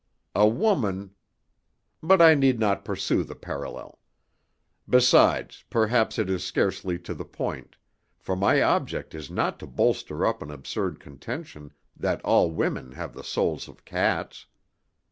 A woman But I need not pursue the parallel. Besides, perhaps it is scarcely to the point, for my object is not to bolster up an absurd contention that all women have the souls of cats.